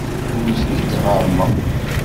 Ur ten-id-ɣerrmeɣ.